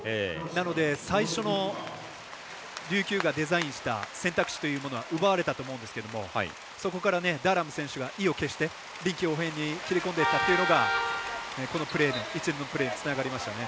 なので最初の琉球がデザインした選択肢というものは奪われたと思うんですけどそこからダーラム選手が意を決して臨機応変に切り込んでいったのがプレーにつながりましたね。